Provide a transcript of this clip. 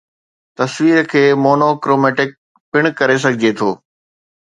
تصوير کي monochromatic پڻ ڪري سگھي ٿو